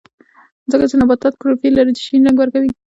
ځکه چې نباتات کلوروفیل لري چې شین رنګ ورکوي